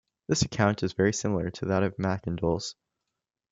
This account is very similar to that of Mackandal's.